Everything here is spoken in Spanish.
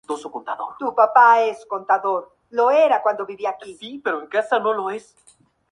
De creencias paganas llenas de fanatismo y sincretismo.